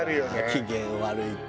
機嫌悪いって。